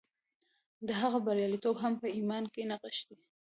د هغه بریالیتوب هم په ایمان کې نغښتی و